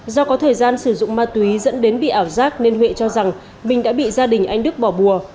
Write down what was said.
do có thời gian sử dụng ma túy dẫn đến bị ảo giác nên huệ cho rằng mình đã bị gia đình anh đức bỏ bùa